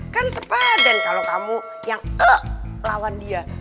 kan sepadan kalau kamu yang lawan dia